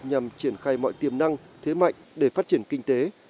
nhằm triển khai mọi tiềm năng thế mạnh để phát triển kinh tế